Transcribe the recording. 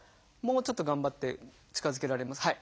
もうちょっと頑張って近づけられます？